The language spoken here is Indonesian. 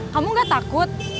kamu gak takut